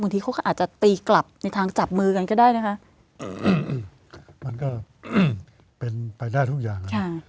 ทีเขาก็อาจจะตีกลับในทางจับมือกันก็ได้นะคะมันก็เป็นไปได้ทุกอย่าง